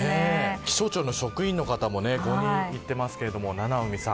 気象庁の職員の方も５人行っていますが七海さん